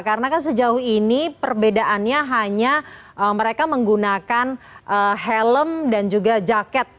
karena kan sejauh ini perbedaannya hanya mereka menggunakan helm dan juga jaket